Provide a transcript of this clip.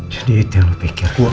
jadi itu yang lo pikirkan